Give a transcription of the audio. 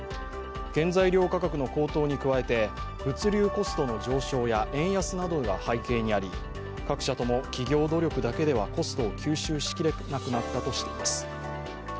原材料価格の高騰に加えて物流コストの上昇や円安などが背景にあり各社とも、企業努力だけではコストを吸収しきれなくなったとしています。